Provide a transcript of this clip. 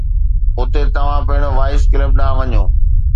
اتي توهان پڻ وائيس ڪلب ڏانهن وڃو.